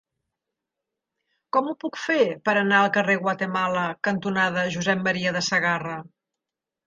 Com ho puc fer per anar al carrer Guatemala cantonada Josep M. de Sagarra?